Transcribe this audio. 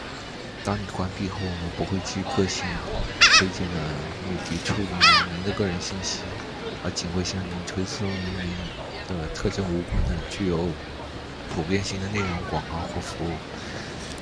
当您关闭后，我们不会基于个性化推荐的目的处理您的个人信息，而仅会向您推送与您的特征无关的、具有普遍性的内容、广告或服务。